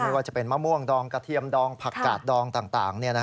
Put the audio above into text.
ว่าจะเป็นมะม่วงดองกระเทียมดองผักกาดดองต่าง